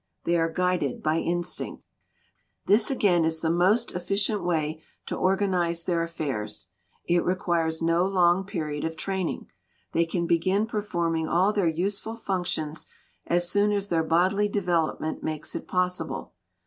They are guided by instinct. This again is the most efficient way to organize their affairs. It requires no long period of training. They can begin performing all their useful functions as soon as their bodily development makes it possible.